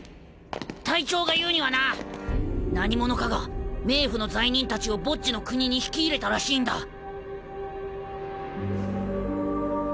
隊長が言うにはな何者かが冥府の罪人たちをボッジの国に引き入れたらしいんだ。